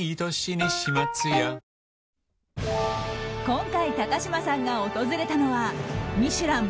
今回、高嶋さんが訪れたのは「ミシュラン」